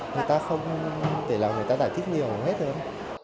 người ta không thể làm người ta giải thích nhiều hết thôi